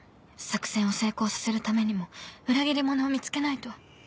作戦を成功させるためにも裏切り者を見つけないと